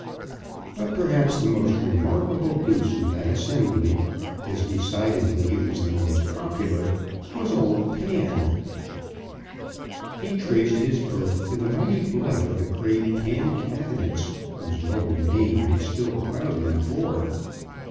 But perhaps the most remarkable Goose in that assembly, as decidedly he was the most popular, was old Pan. He traced his birth to the mighty blood of the great Pancabinets, whose noble name he still proudly bore.